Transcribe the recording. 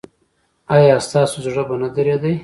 ایا ستاسو زړه به نه دریدي؟